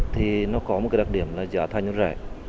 thì nó có một cái đặc điểm là giá thay nhuận rẻ